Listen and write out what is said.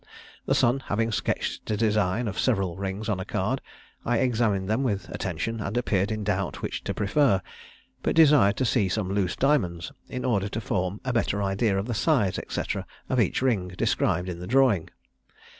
The son having sketched a design of several rings on a card, I examined them with attention, and appeared in doubt which to prefer, but desired to see some loose diamonds, in order to form a better idea of the size, &c. of each ring described in the drawing.